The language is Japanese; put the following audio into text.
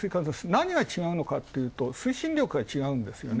なにが違うのかというと、推進力が違うんですよね。